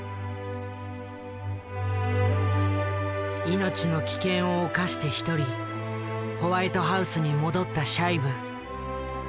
命の危険を冒して１人ホワイトハウスに戻ったシャイブ。